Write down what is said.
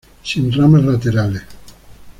Sin ramas laterales.